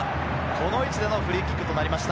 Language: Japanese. この位置でのフリーキックとなりました。